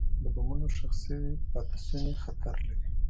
د بمونو ښخ شوي پاتې شوني خطر لري.